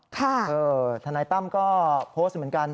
ทนายตั้มก็โพสต์เหมือนกัน